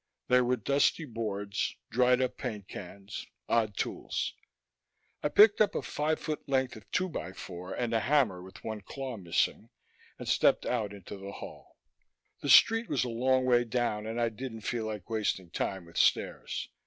There were dusty boards, dried up paint cans, odd tools. I picked up a five foot length of two by four and a hammer with one claw missing, and stepped out into the hall. The street was a long way down and I didn't feel like wasting time with stairs.